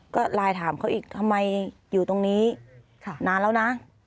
ก็ไลน์ถามเขาอีกทำไมอยู่ตรงนี้นานแล้วนะ